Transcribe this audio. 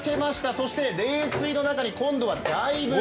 そして、冷水の中に今度はダイブ。